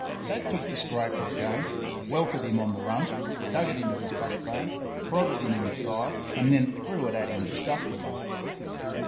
Dad took the scraper again, welted him on the rump, dug it into his back bone, prodded him in the side, then threw it at him disgustedly.